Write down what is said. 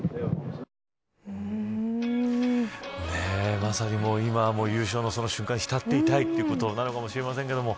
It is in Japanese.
まさに今は優勝の瞬間に浸っていたいということなのかもしれませんけれども。